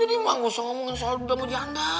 jadi emang gak usah ngomongin soal duda sama janda